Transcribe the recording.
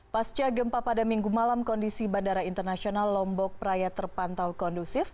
pasca gempa pada minggu malam kondisi bandara internasional lombok praya terpantau kondusif